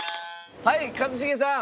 はい一茂さん！